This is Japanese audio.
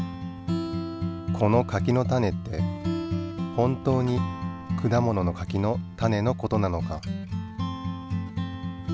この柿の種って本当に果物の柿の種の事なのか？